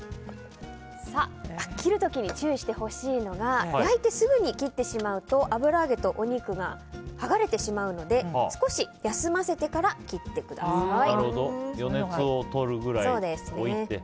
切る時に注意してほしいのが焼いてすぐに切ってしまうと油揚げとお肉が剥がれてしまうので少し休ませてから切ってください。